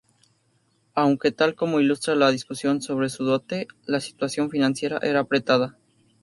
Aunque tal como ilustra la discusión sobre su dote, la situación financiera era apretada.